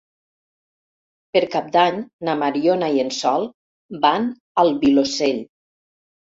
Per Cap d'Any na Mariona i en Sol van al Vilosell.